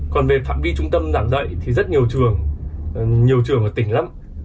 còn về phạm vi trung tâm giảng dạy thì rất nhiều trường nhiều trường ở tỉnh lâm